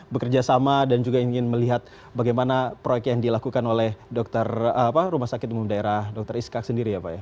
bekerja sama dan juga ingin melihat bagaimana proyek yang dilakukan oleh rumah sakit umum daerah dr iskak sendiri ya pak ya